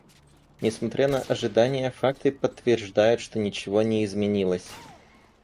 Несмотря на ожидания, факты подтверждают, что ничего не изменилось.